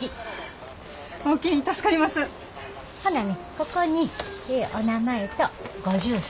ここにお名前とご住所。